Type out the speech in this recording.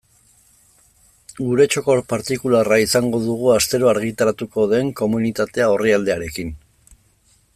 Gure txoko partikularra izango dugu astero argitaratuko den Komunitatea orrialdearekin.